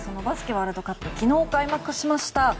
ワールドカップ昨日開幕しました。